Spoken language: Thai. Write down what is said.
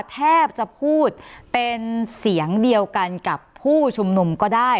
แทบจะพูดเป็นเสียงเดียวกันกับผู้ชุมนุมก็ได้